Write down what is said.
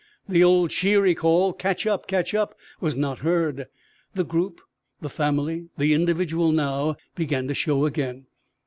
The old cheery call, "Catch up! Catch up!" was not heard. The group, the family, the individual now began to show again.